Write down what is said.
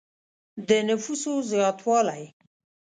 د نفوسو زیاتوالی.